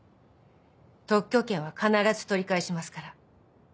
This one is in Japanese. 特許権は必ず取り返しますから。